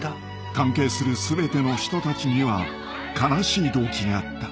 ［関係する全ての人たちには悲しい動機があった］